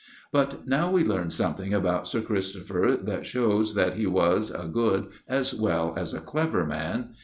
But now we learn something about Sir Christopher that shows that he was a good as well as a clever man.